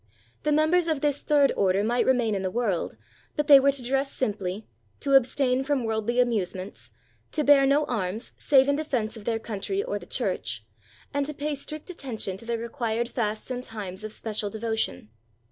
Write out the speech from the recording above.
The members of this third order might remain in the world, but they were to dress simply, to abstain from worldly amusements, to bear no arms save in de fense of their country or the Church, and to pay strict attention to the required fasts and times of special devo tion.